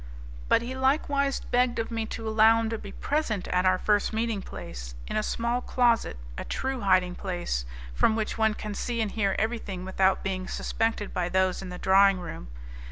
But he likewise begged of me to allow him to be present at our first meeting place, in a small closet a true hiding place, from which one can see and hear everything without being suspected by those in the drawing room.